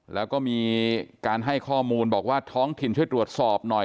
แล้วก็มีการให้ข้อมูลบอกว่าท้องถิ่นช่วยตรวจสอบหน่อย